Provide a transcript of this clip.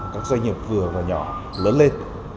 các doanh nghiệp vừa và nhỏ lớn lên